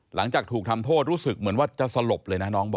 หลังจากถูกทำโทษรู้สึกเหมือนว่าจะสลบเลยนะน้องบอก